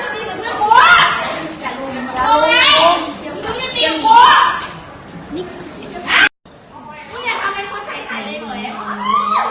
นี่ห้องมือชายห้องมือน้อยทำไมห้องกูไม่ได้วะ